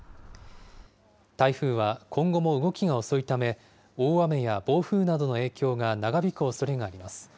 台風は今後も動きが遅いため、大雨や暴風などの影響が長引くおそれがあります。